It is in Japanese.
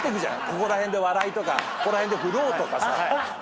ここら辺で笑いとかここら辺で振ろうとか。